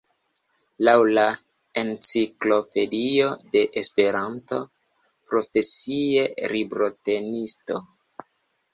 Laŭ la Enciklopedio de Esperanto, «Profesie librotenisto.